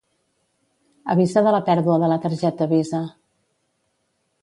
Avisa de la pèrdua de la targeta visa.